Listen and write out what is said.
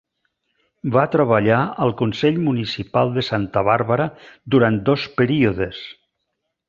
Va treballar al consell municipal de Santa Bàrbara durant dos períodes.